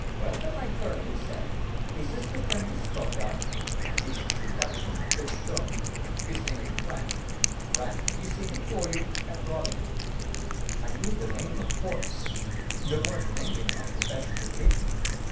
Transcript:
"Welcome, my Colonel," he said. "Is this the friend you spoke of?" "This is the Dutchman," said Stumm. "His name is Brandt. Brandt, you see before you Herr Gaudian." I knew the name, of course; there weren't many in my profession that didn't.